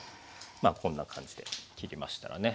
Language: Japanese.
まあこんな感じで切りましたらね